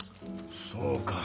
そうか。